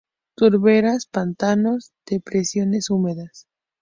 Turberas pantanos, depresiones húmedas.